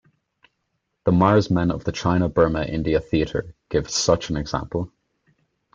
The Mars Men of the China Burma India Theater give such an example.